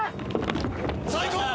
・・さあいこう！